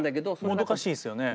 もどかしいですよね。